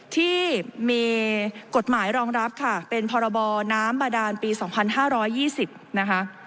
ที่มีกฎหมายรองรับค่ะเป็นพรบน้ำบาดานปีสองพันห้าร้อยยี่สิบนะคะ